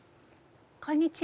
こんにちは。